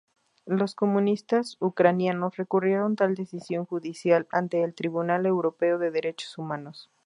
Los comunistas ucranianos recurrieron tal decisión judicial ante el Tribunal Europeo de Derechos Humanos.